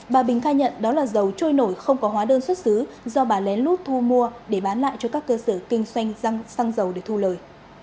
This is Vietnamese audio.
bà bình khai nhận đó là dầu trôi nổi không có hóa đơn xuất xứ do bà lén lút thu mua để bán lại cho các cơ sở kinh doanh răng xăng dầu để thu lời